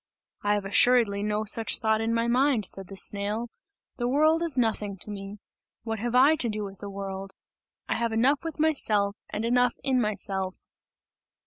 "I have assuredly no such thought in my mind," said the snail, "the world is nothing to me! What have I to do with the world? I have enough with myself, and enough in myself!"